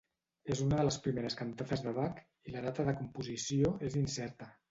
És una de les primeres cantates de Bach i la data de composició és incerta.